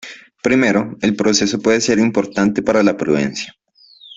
Primero, el proceso puede ser importante para la prudencia.